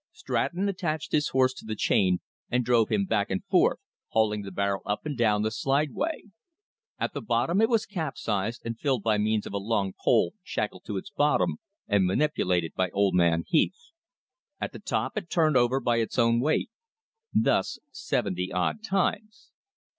Stratton attached his horse to the chain and drove him back and forth, hauling the barrel up and down the slideway. At the bottom it was capsized and filled by means of a long pole shackled to its bottom and manipulated by old man Heath. At the top it turned over by its own weight. Thus seventy odd times.